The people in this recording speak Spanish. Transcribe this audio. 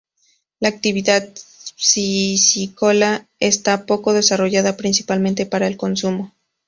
La actividad piscícola está poco desarrollada, principalmente para el consumo.